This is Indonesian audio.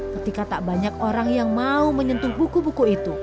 ketika tak banyak orang yang mau menyentuh buku buku itu